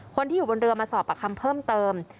คนที่อยู่บนเรือมาสอบปากคำเพิ่มเติม